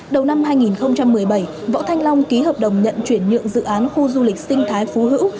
đầu năm hai nghìn một mươi bảy võ thanh long ký hợp đồng nhận chuyển nhượng dự án khu du lịch sinh thái phú hữu